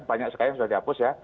banyak sekali yang sudah dihapus ya